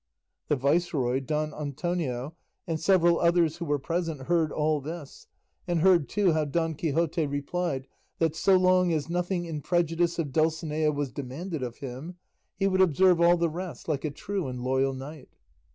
The viceroy, Don Antonio, and several others who were present heard all this, and heard too how Don Quixote replied that so long as nothing in prejudice of Dulcinea was demanded of him, he would observe all the rest like a true and loyal knight.